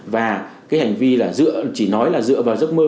và cái hành vi là chỉ nói là dựa vào giấc mơ